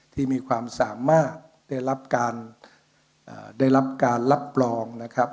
ที่มีความสามารถได้รับการได้รับการรับรองนะครับ